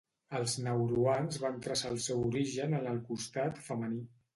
Els nauruans van traçar el seu origen en el costat femení.